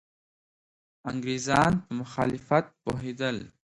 انګریزان په مخالفت پوهېدل.